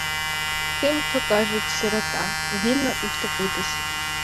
Тим-то, кажуть, сирота: вільно і втопитись.